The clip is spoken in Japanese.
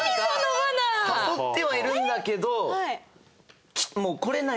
誘ってはいるんだけど。